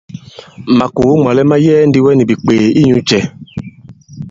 Màkòo mwàlɛ ma yɛɛ ndi wɛ nì bìkwèè la inyūcɛ̄?